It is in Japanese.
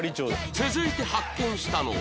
続いて発見したのは